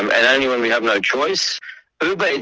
jadi dengan uber share